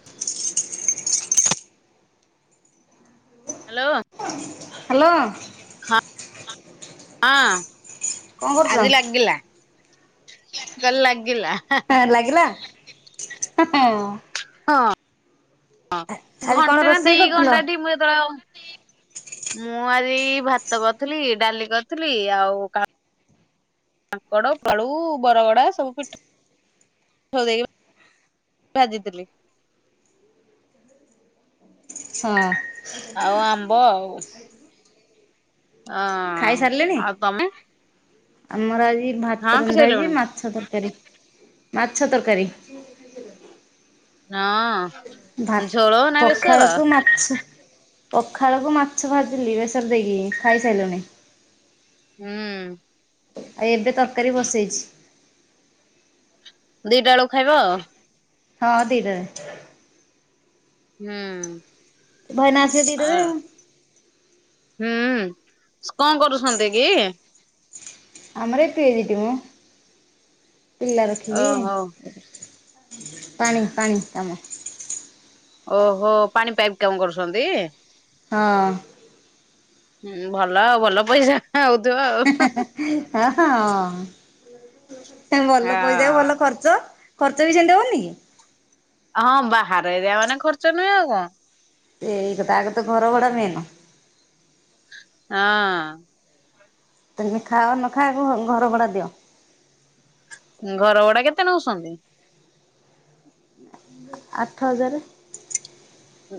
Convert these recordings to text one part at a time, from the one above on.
[inaudible] Hello. Hello. ହଁ ହଁ କଣ କରୁଛ ଆଜି ଲାଗିଲା। ଗଲ ଲାଗିଲା ହାଁ। ଲାଗିଲା ହେଁ ହେଁ। ହଁ ହଁ ଆଜି କଣ ଘଣ୍ଟେ ନା ଦି ରୋଷେଇ କରିଥିଲ? ଘଣ୍ଟାଠି ମୁ ଯେତେବେଳେ ଅ ମୁଁ ଆଜି ଭାତ କରିଥିଲି ଡାଲି କରିଥିଲି ଆଉ କା କାଙ୍କଡ଼ ପାଳୁ ବରଗଡା ସବୁ ପିଠଉ ଉ ଦେଇକି ଭାଜିଥିଲି। ହଁ। ଆଉ ଆମ୍ବ ଆଉ। ହଁ ଖାଇ ସାରିଲେଣି ଆଉ ତମେ ଆମର ଆଜି ହଁ ଭାତ ରନ୍ଧା ହେଇଚି ଖାଇସାରିଲଣି ମାଛ ତରକାରୀ ମାଛ ତରକାରୀ। ହଁ ଝୋଳ ନା ବେଶର? ଛ ପଖାଳକୁ ମାଛ ଭାଜିଲି ବେସର ଦେଇକି ଖାଇସାଇଲୁଣି। ହୁଁ ଉଁ। ଆଉ ଏବେ ତରକାରୀ ବସେଇଚି। ଦିଟା ବେଳକୁ ଖାଇବା ଆଉ। ହଁ ଦେଇଦଆ। ହୁଁ। ଭାଇନା ଆସିବେ ଆ ଦେଇଦେବେ ଆଉ। ହୁଁ। କଣ କରୁସନ୍ତି କି? ଆମର ଏଇ କ୍ରେରିଟି ମ। ପିଲା ରଖିକି ଇଏ ଓହୋ କରୁଚୁ। ପାଣି -ପାଣି କାମ। ଓହୋ, ପାଣି ପାଇପ୍ କାମ କରୁସନ୍ତି? ହଁ। ହୁଁ ଭଲ ଆଉ। ଭଲ ପଇସା ହଉଥିବ ଆଉ। ହଁ ହଁ। ଭଲ ପଇସାକୁ ଭଲ ଖର ର୍ଚ୍ଚ, ଖର୍ଚ୍ଚ ବି ସେମିତି ହଉନି କି? ହଁ ବାହାର ଏରିଆ ମାନେ ଖର୍ଚ୍ଚ ନୁହେଁ ଆଉ କଣ? ଏଇ ଗୋଟାକ ତ ଘର ଭଡ଼ା ମେନ। ହଁ। ତମେ ଖାଅ ନ ଖାଆ ଆଗ ଘର ଭଡା ଦିଅ। ଘର ଭଡ଼ା କେତେ ନଉସନ୍ତି? ଆଠ ହଜାରେ।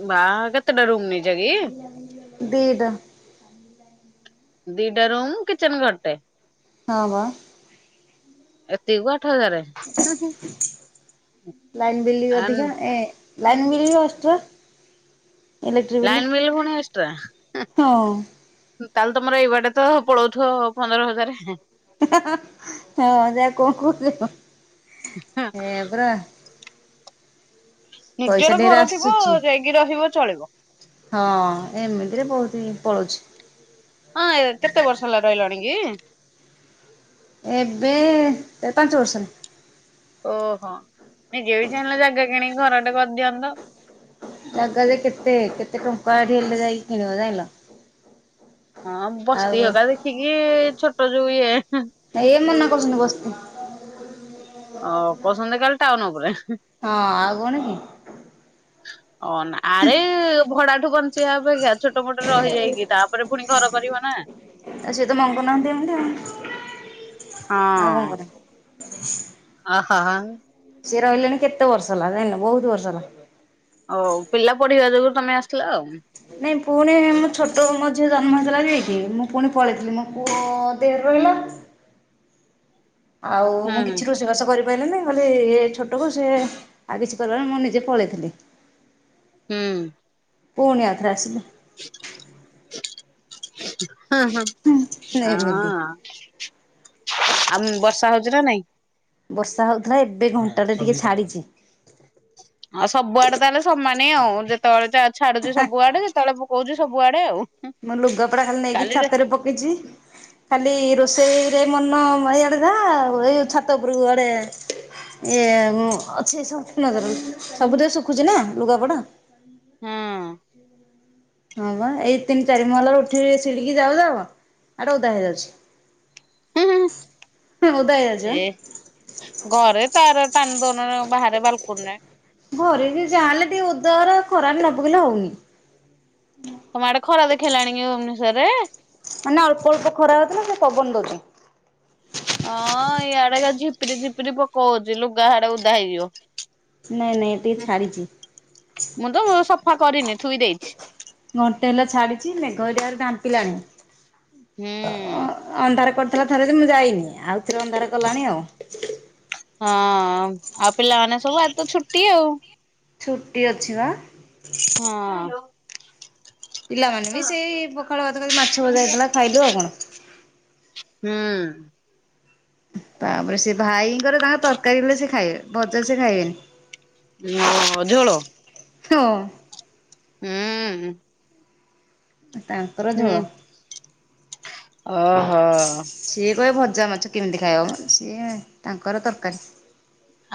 ବାଃ, କେତେଟା ରୁମ୍ ନେଇଚ କି? ଦିଟା ଦିଟା ରୁମ୍, କିଚେନ ଘରଟେ। ହଁ ବା। ଏତିକି କୁ ଆଠ ହଜାରେ। ଲାଇନ ବିଲ୍ ଆ ଅଧିକା। ଏଁ ଲାଇନ ବିଲ୍ ବି ଏଷ୍ଟ୍ରା। ଲାଇନ ବିଲ୍ ଫୁଣି ଏଷ୍ଟ୍ରା। ହଁ ତାହେଲେ ତମର ଏଇବାଟେ ତ ପଳଉଥିବ ପନ୍ଦର ହଜାରେ। ହଁ ଯା କହୁ -କହୁଚ। [inaudible] ପଇସା ନିଜର ଢେରେ ଘର ଥିବ ଆସୁଛି ଯାଇକି ରହିବ ଚଳିବ। ହଁ ଏମିତିରେ ବହୁତ ହି ପଳଉଛି। ହଁ ଏ କେତେ ବର୍ଷ ହେଲା ରହିଲଣି କି? ଏବେ ଏଇ ପାଞ୍ଚ ବର୍ଷ ହେଲା। ଓହୋଃ, ନିଜେ ବି ଚାହିଁଲେ ଜାଗା କିଣିକି ଘରଟେ କରିଦିଅନ୍ତ। ଜାଗା ଯେ କେତେ, କେତେ ଟଙ୍କା ଏଠି ହେଲେ ଯାଇକି କିଣିବ ଜାଇଁଲ। ହଁ ବସ୍ତି ହେକା ଦେଖିକି ଛୋଟ ଯୋଉ ଇଏ ଏ ମନା କରୁଛନ୍ତି ବସ୍ତି। ଅ କହୁସନି ଏ ଖାଲି ଟାଉନ ଉପରେ? ହଁ ଆଉ କଣ କି? ଅନ ଆରେ ଭଡାଠୁ ବଞ୍ଚେଇବା ଅପେକ୍ଷା ଛୋଟ ଛୋଟୋ ମୋଟୋ ରହିଯାଇକି ତାପରେ ଫୁଣି ଘର କରିବ ନା। ଆ ସେ ତ ମଙ୍ଗୁନାହାନ୍ତି ଏମିତି ଆଉ। ହଁ। ଆଉ କଣ କରିବୁ। ହ ହ ହଂ ସେ ରହିଲେଣି କେତେ ବର୍ଷ ହେଲା ଯାଇଁଲ? ବହୁତ ବର୍ଷ ହେଲା। ହଉ ପିଲା ପଢ଼ିବା ଯୋଗୁଁ ତମେ ଆସିଲ ଆଉ। ନାଇଁ ପୁଣି ମୁଁ ଛୋଟ ମୋ ଝିଅ ଜନ୍ମ ହେଇଥିଲା ଯାଇକି। ମୁଁ ଫୁଣି ପଳେଇଥିଲି। ମୋ ପୁଅ ଦେହରେ ରହିଲା। ଆଉ ହୁଁ ମୁଁ କିଛି ରୋଷେଇବାସ କରି କହିଲେ ନାଇ କହିଲେ ଇଏ ଛୋଟକୁ ସେ ଆଉ କିଛି କହିଲେ ନି, ମୁଁ ନିଜେ ପଳେଇଥିଲି। ହୁଁ ପୁଣି ଆଉ ଥରେ ଆସିଲି। ହଁ- ହଁ- ଏମିତି। ଅଁ ଆ ମ ବର୍ଷା ହେଉଛି ନା ନାଇଁ। ବର୍ଷା ହଉଥିଲା ଏବେ ଘଣ୍ଟାଟେ ଟିକେ ଛାଡ଼ିଛି। ଆଉ ସବୁ ଆଡ଼େ ତାହେଲେ ସମାନ ଆଉ ଯେତେବେଳେ ଯା ଛାଡୁଛି ସବୁଆଡ଼େ ଯେତେବେଳେ ହଉଛିି ସବୁ ଆଡ଼େ ଆଉ। ମୋ ଲୁଗାପଟା ଖାଲି ନେଇକି କାଲିରେ ଛାତରେ ପକେଇଛି। ଖାଲି ରୋଷେଇରେ ମନ ମାଢ଼ିବା କଥା ଏଇ ଛାତ ଉପରକୁ ଆଡ଼େ ଇଏ ଅଛି ସ [unintelligible] ସବୁଦ ଶୁଖୁଛି ନା ଲୁଗାପଟା। ହଁ ହଁ ବା ଏଇ ତିନି ଚାରି ମହଲ ରୁ ଉଠିକି ସିଡ଼ିକି ଯାଉ ଯାଉ ଆଡେ ଓଦା ହେଇଯାଉଛି। ହୁଁ -ହୁଁ ଓଦା ହେଇଯାଉଛି ବା। ଏ ଘରେ ତାର ଟାନି ଦଉନୁ ବାହାରେ ବାଲକୁନିରେ ଘରେ ଯେ ଯାହା ହେଲେ ଟିକେ ଓଦାଗୁରା ଖରାରେ ନ ପକେଇଲେ ହଉନି। ତମ ଆଡ଼େ ଖରା ଦେଖେଇଲାଣି କି ଭୁବନେଶ୍ୱରରେ। ମାନେ ଅଳ୍ପ ଅଳ୍ପ ଖରା ହଉଥିଲା ଟିକେ ପବନ ଦଉଛି। ହଁ ଇଆଡ଼େ ଝିପିରି ଝିପିରି ପକଉଛି। ଲୁଗା ଆଡ଼େ ଉଦା ହେଇଯିବ। ନାଇଁ ନାଇଁ ଟିକେ ଛାଡ଼ିଛି। ମୁଁ ତ ସଫା କରିନି ଥୁଇ ଦେଇଛି। ଘଣ୍ଟେ ହେଲା ଛାଡ଼ିଛି ମେଘ ହେରିକା ଢାଙ୍କିଲାଣି। ହୁଁ ଅନ୍ଧାର କରିଥିଲା ଥରେ ଯେ ମୁଁ ଯଇନି। ଆଉ ଥରେ ଅନ୍ଧାର କଲାଣି ଆଉ। ହଁ, ଆଉ ପିଲାମାନେ ସବୁ ଆଯି ତ ଛୁଟି ଆଉ। ଛୁଟି ଅଛି ବା। ହଁ ପିଲାମାନେ ବି ସେଇ ପଖାଳ ଭାତ, ମାଛ ଭଜା, ହେଇଥିଲା ଖାଇଲେ ଆଉ କଣ। ହୁଁ ତାପରେ ସେ ଭାଇଙ୍କର ତାଙ୍କ ତରକାରୀ ହେଲେ ସେ ଖାଇବେ ଭଜା ସେ ଖାଇବେନି। ହଁ ଝୋଳ। ହଁ ହୁଁ ତାଙ୍କର ହୁଁ ଝୋଳ। ଓହୋ। ସିଏ କହିବେ ଭଜା ମାଛ କେମିତି ଖାଇବ ମ ସିଏ ତାଙ୍କର ତରକାରୀ।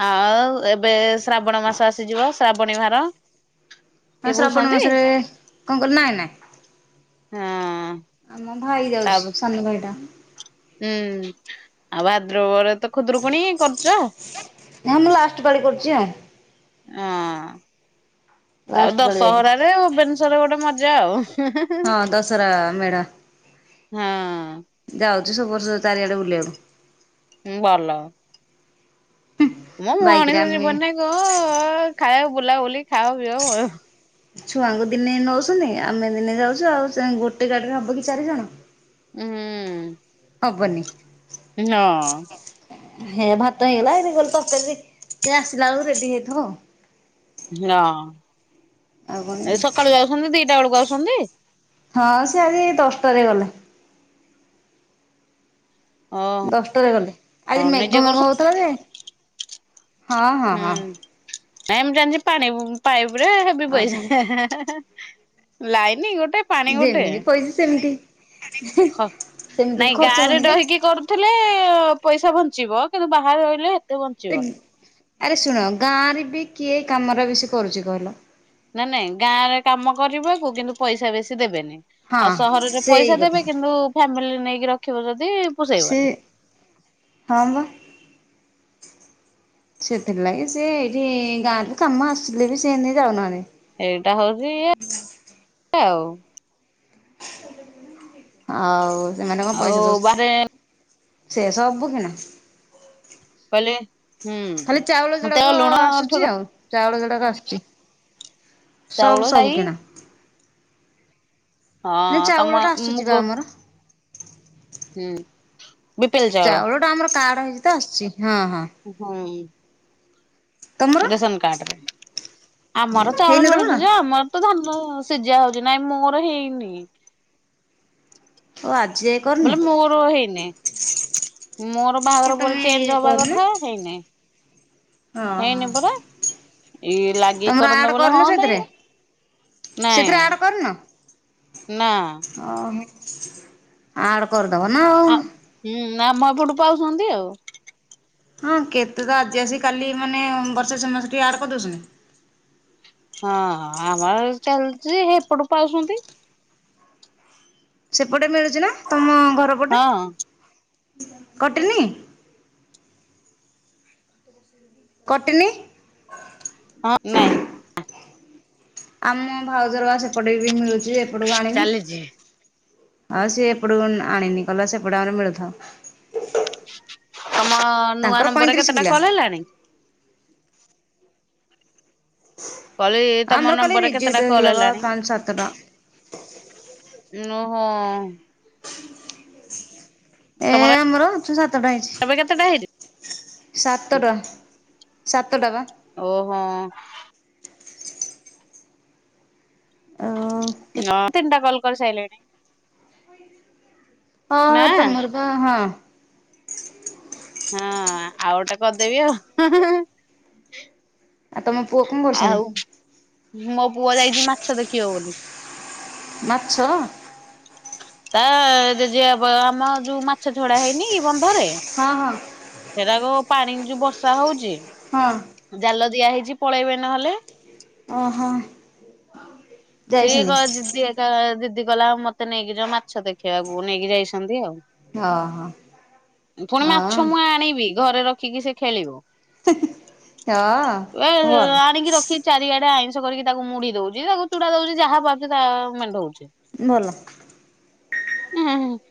ଆଉ ଏବେ ଶ୍ରାବଣ ମାସ ଆସିଯିବ। ଶ୍ରାବଣୀ ଭାର। ଆ କିଏ ଶ୍ରାବଣ ଭୂଷନ୍ତି? ମାସରେ କଣ କହିଲ ନାଇଁ ନାଇଁ। ହଁ ଆମ ଭାଇ ଯାଉଛି। ତାପ ସାନ ଭାଇଟା ହୁଁ ଆଉ ଭାଦ୍ରବରେ ତ ଖୁଦୁରୁକୁଣୀ କରୁଛ। ନା ମୁଁ ଲାଷ୍ଟ ପାଳି କରୁଛି ଆଉ ହଁ ତାପରେ ଲାଷ୍ଟ ପାଳି ଯାଇକି ଦଶହରାରେ ଭୁବନେଶ୍ୱରରେ ଗୋଟେ ମଜା ଆଉ। ହଁ ଦଶହରା ମେଢ଼। ହଁ ଯାଉଛି ସବୁ ବର୍ଷ ଚାରିଆଡ଼େ ବୁଲିବାକୁ। ହୁଁ ଭଲ। ମୋ ବାଇକରେ ମଣିଷ ଆମେ ଜୀବନ କ ଖାଇବ ବୁଲାବୁଲି ଖାଅ ପିଅ [unintelligible] ହୁଁ। ଛୁଆଙ୍କୁ ଦିନେ ନଉଛୁନ୍ତି ଆମେ ଦିନେ ଯାଉଚୁ ଆଉ ସେ ଗୋଟେ ଗାଡିରେ ହବ କି ଚାରି ଜଣ! ହୁଁ। ହବନି। ହଁ। ହେ ଭାତ ହେଇଗଲା ଏଇତି ଗଲ ତରକାରୀ ସେ ଆସିଲା ବେଳୁକୁ ରେଡି ହେଇଥିବ। ଆଉ କଣ ହଁ ସକାଳୁ ଯାଉଛୁନ୍ତି ଦିଟା ବେଳକୁ ଆଉଛୁନ୍ତି? ହଁ ସେ ଆଜି ଦଶଟାରେ ଗଲେ। ଓହୋ। ଦଶଟାରେ ଗଲେ ହଁ ଆଜି ନିଜେ ମେଘ ମେଘ କରୁଛ ହଉଥିଲା ଯେ ହଁ ହଁ ହୁଁ, ହଁ ଏମିତି ଜାଣିଛି ପାଣି ପାଇପି ରେ ଆଉ କଣ [unintelligible] ପାଣି ଗୋଟେ। ଯେମିତି ପଇସା ସେମିତି ସେମିତି ବି ନାଇଁ ଗାଁ ଖର୍ଚ୍ଚ ରେ ହଉନି କେ। ରହିକି କର ଥେଲେ ପଇସା ବଞ୍ଚିବ କିନ୍ତୁ ବାହାରେ ରହିଲେ ବଞ୍ଚିବନି। ଆରେ ଶୁଣ ଗାଁରେ ବି କିଏ ଏ କାମଗୁରା ବେଶୀ କରୁଛି କହିଲ। ନା ନାଇଁ ଗାଁ ରେ କାମ କରିବାକୁ କିନ୍ତୁ ପଇସା ବେଶୀ ଦେବେନି। ହଁ ଆଉ ସହରରେ ସେଇ ପଇସା କଥା ଦେବେ, କିନ୍ତୁ ଫ୍ୟାମିଲି ନେଇକି ରଖିବ ଯଦି ସେ ପୋଷେଇବନି। ହଁ ବା। ସେଥିରଲାଗି ସେ ଏଇଠି ଗାଁରେ କାମ ଆସିଲେ ବି ସେ ଏନ୍ତି ଯାଉନାହାନ୍ତି। ଏଇଟା ହଉଚି ଇଏ ଆଉ। ଆଉ ସେମାନେ କଣ ଆଉ ପଇସା ଦଉ ବାହାରେ ସେୟା ସବୁ କିଣା। କହିଲେ ଖାଲି ଚାଉଳ ହୁଁ ତେଲ ଯୋଡାକ ଲୁଣ ଠୁ ଆସୁଛି ଆଉ। ଚାଉଳ ଯଡାକ ଆସୁଛି। ଚାଉଳ ସବୁ ଯାଇ ସବୁ କିଣା ହେ ହଁ ତମ ଚାଉଳଟା ଆସୁଛି ମୁଗ ବା ଆମର। ହୁଁ। ଚାଉଳ ଟା ଆମର କାର୍ଡ ହେଇଛି ତ ଆସୁଛି। ହଁ ହଁ ହଁ ତମର ରାସନ କାର୍ଡ ରେ। ଆମର ଚାଉଳ ହେଇନି ତମର ମିଳୁଛି ଯେ ଆମ ତ ଧାନ ସିଝା ହଉଛି ନାଇଁ ମୋର ହେଇନି। ଓ ଆଜି ଯାଏ କରିନ ରେ ମୋର ହେଇନି ମୋର କାଇଁ ବାହାଘର ପରେ ତମେ ଇଏ ଚେଞ୍ଜ ହବା କରୁନ କଥା ହେଇନି। ଓହୋ। ହେଇନି ପରା। ଇଏ ଲାଗିକି ତମର ଆଡ୍ କରନ୍ତା ବଲେ କରିନ ହଅନ୍ତା ସେଥିରେ ଇଏ। ନାଇଁ ସେଥିରେ ଆଡ୍ କରିନ? ନା ଆଡ କରିଦବ ନା ଆଉ। ଆଉ ହୁଁ ନା ମ ଏପଟୁ ପାଉଛନ୍ତି ଆଉ। ହଁ କେତେ ତ ଆଜି ଆସିକି କାଲି ମାନେ ବର୍ଷେ ଛମାସ ଠି ଆଡ କରିଦଉଛନ୍ତି। ହଁ ଆମର ଚାଲିଛି ହେଇପଟୁ ପାଉଛନ୍ତି। ସେପଟେ ମିଳୁଛି ନା ତମ ଘର ପଟେ। ହଁ କଟିିନି କଟିନି ହଁ ନାଇଁ। ଆମ ଭାଉଜର ବା ସେପଟେ ବି ମିଳୁଛି ଏପଟକୁ ଆଣିନି। ଚାଲିଛି ଆଉ ସିଏ ଏପଟକୁ ଆଣିନି କହିଲା ସେପଟେ ଆମର ମିଳୁଥାଉ। ତମର ନୂଆ ତାଙ୍କର ନମ୍ବରରେ ପଇଁତିରିଶ କେତେଟା କିଲା କଲ୍ ହେଲାଣି? କହିଲେ ତମ ଆମର ଏଇ କାଲି ନମ୍ବରରେ ରିଜେକ୍ଟ କେତେଟା ହେଇଗଲା କଲ ବା ହେଲାଣି? ପାଞ୍ଚ ସାତଟା। ଓହଁ [unintelligible] ଏ ତମର ଆମର ଛ ସାତଟା ହେଇଛି। ଏବେ କେତେ ଟା ହେଇଛି। ସାତଟା, ସାତଟା ବା। ଓ ହୋ। ଆଉ କେତ ତିନଟା କଲ୍ କରିସାଇଲିଣି। ହଁ ହଁ ତମରତ ହଁ। ହଁ ଆଉ ଗୋଟେ କରିଦେବି ଆଉ। ଆଉ ତମ ପୁଅ କଣ କରୁଛନ୍ତି? ଆଉ ମୋ ପୁଅ ଯାଇଛି ମାଛ ଦେଖିବ ବୋଲି। ମାଛ? ତା ଜେଜି ବାପା ଆମର ଯୋଉ ମାଛ ଛଡା ହେଇନିକି ବନ୍ଧରେ। ହଁ ହଁ। ହେଇରାକ ପାଣିକି ଯୋଉ ବର୍ଷା ହଉଛି। ହଁ। ଜାଲ ଦିଆ ହେଇଛି ପଳେଇବେ ନହେଲେ। ଅ ହଁ। ସିଏ କ ଜିଦିଆଟା ଜିଦି କଲା ଆଉ ମତେ ନେଇକି ଯାଅ ମାଛ ଦେଖେଇବାକୁ ନେଇକି ଯାଇଛନ୍ତି ଆଉ। ଓହୋ ପୁଣି ହଁ ମାଛ ମୁଁ ଆଣିବି ଘରେ ରଖିକି ସେ ଖେଳିବ। ହଁ ଏ ଭଲ ଆଣିକି ରଖି ଚାରିଆଡେ ଆଇଁଷ କରିକି ତାକୁ ମୁଢି ଦଉଛି ତାକୁ ଚୁଡା ଦଉଛି ଯାହା ପାରୁଛି ତାହା ମେଣ୍ଢଉଛି। ଭଲ। [unintelligible]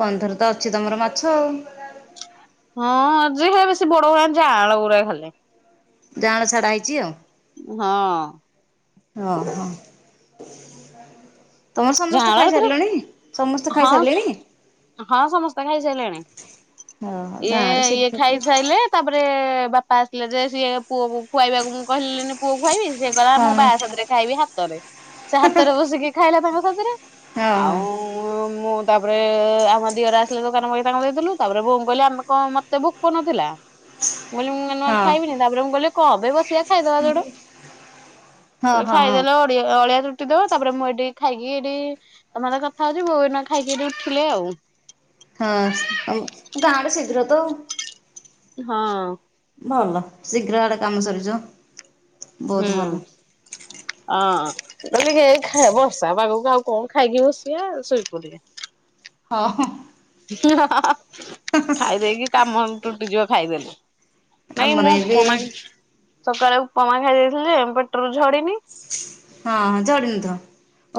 ବନ୍ଧରେ ତ ଅଛି ତମର ମାଛ ଆଉ। ହଁ ଅଛି ସେ ବଡ ଗୁରା ଜାଆଁଳ ଗୁୁରା ଖାଲି। ଯାଆଁଳ ଛଡା ହେଇଛି ଆଉ। ହଁ। [unintelligible] ତମର ସମସ୍ତେ ଜାଆଁଳ ଖାଇ ଏଥିରେ ସାରିଲଣି, ସମସ୍ତେ ହଁ ଖାଇସାରିଲେଣି। ହଁ ସମସ୍ତେ ଖାଇସାରିଲେଣି ଓହୋ ଇଏ ଜାଆଁଳ ଇଏ ଶୀଘ୍ର ଖାଇସାଇଲେ। ତାପରେ ବାପା ଆସିଲେ ଯେ ସିଏ ପୁଅକୁ ଖୁଆଇବାକୁ ମୁଁ କହିଲିନି ପୁଅ ଖୁଆଇବି ସିଏ କହିଲା ହଁ ମୁଁ ବାଆ ସାଥିରେ ଖାଇବି ହାତରେ ସେ ହାତରେ ବସିକି ଖାଇଲା ତାଙ୍କ ସାଥିରେ ହଁ ହଁ। ଆଉ [inaudible] [inaudible] [inaudible] ମୁ କହିଲି ମୁଁ ଏଇନିକା ଖାଇବିନି ତାପରେ ମୁଁ କହିଲି କଣ ପାଇଁ ବସିବା ଖାଇଦବା ହଁ ଯୋଡେ ହଁ ହଁ ଖାଇଦେଲେ ଓଳି ଓଳିଆ ତୁଟି ଯିବ ତାପରେ ମୁଁ ଏଠି ଖାଇକି ଏଠି ତମ ସାଙ୍ଗରେ କଥା ହଉଛି ବୋଉ ଏଇନିକା ଖାଇକି ଉଠିଲେ ଆଉ। ହଁ ଗାଁରେ ଶୀଘ୍ର ତ। ହଁ। ଭଲ ଶୀଘ୍ର ଏଆଡେ କାମ ସରିଯିବ। ହୁଁ। ବହୁତ [inaudible] ହଁ ଟିକେ [unintelligible] ବର୍ଷା ପାଗକୁ ଆଉ କଣ ଖାଇକି ବସିବା ଶୋଇପଡ଼ିବା। ହଁ। ଖାଇଦେଇକି କାମ ତୁଟିଯିବ ଖାଇଦେଲେ। ନାଇଁ ଆମର ମୁଁ ଏବେ ଉପମା ସକାଳେ ଉପମା ଖାଇ ଦେଇ ଦେଇଥିଲି ଯେ ପେଟରୁ ଝଡିିନି ହଁ ଝଡ଼ିନଥିବ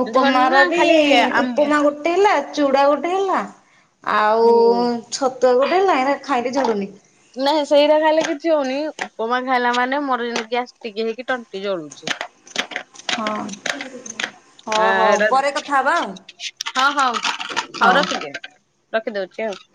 ଉପମା ଝଡିନି ର ନା ବି ଖାଲି ଆମ ଉପମା ଗୋଟେ ଗୋଟେ ହେଲା ଚୁଡା ଗୋଟେ ହେଲା ଆଉ ଉଁ ଛତୁଆ ଗୋଟେ ହେଲା ଏହା ଖାଇଲେ ଝଡୁନି। ନାଇଁ ସେଇଟା ଖାଇଲେ କିଛି ହଉନି ଉପମା ଖାଇଲା ମାନେ ମୋର ଯେ ଗ୍ୟାସଟିକି ହେଇକି ତଣ୍ଟି ଜଳୁଛି। ହଁ ହଁ ହଉ ପରେ କଥା ହବା ଆଉ। ହଁ ହଁ ହଉ ରଖିଦିଅ ରଖିଦଉଛି ଆଉ।